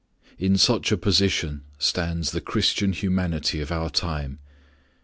In such a position stands the Christian humanity of our time.